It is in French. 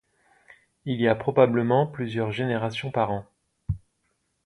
Il y a probablement plusieurs générations par an.